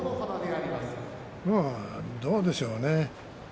どうでしょうね。